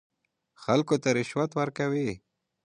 خلکو ته رشوت ورکوي.